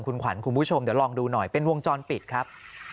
คุณขวัญคุณผู้ชมเดี๋ยวลองดูหน่อยเป็นวงจรปิดครับ